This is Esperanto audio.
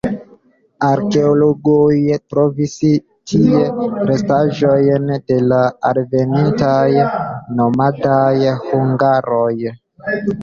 Arkeologoj trovis tie restaĵojn de la alvenintaj nomadaj hungaroj.